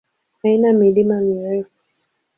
Haina milima mirefu.